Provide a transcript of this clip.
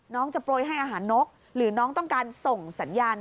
น้องจะโปรยให้อาหารนกหรือน้องต้องการส่งสัญญาณ